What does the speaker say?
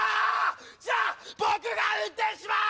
じゃ僕が運転します！